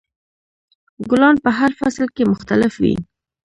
ګلان په هر فصل کې مختلف وي.